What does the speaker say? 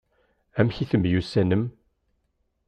Amek i temyussanem?